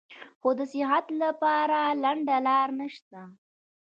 خو د صحت له پاره لنډه لار نشته -